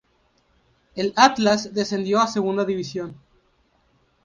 El Atlas descendió a Segunda División.